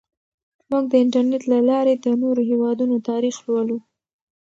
موږ د انټرنیټ له لارې د نورو هیوادونو تاریخ لولو.